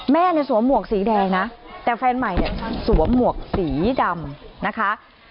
แม่สวมหมวกสีแดดนะแต่แฟนใหม่สวมหมวกสีดำนะคะ